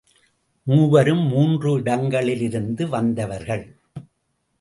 மூவரும் மூன்று இடங்களிலிருந்து வந்தவர்கள்.